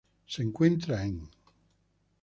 Se encuentra en